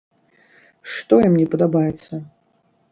Што ім не падабаецца?